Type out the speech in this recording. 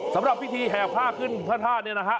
สำหรับพิธีแห่ผ้าขึ้นพระธาตุเนี่ยนะฮะ